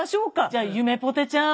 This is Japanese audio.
じゃあゆめぽてちゃん